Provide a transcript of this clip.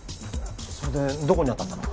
それでどこに当たったの？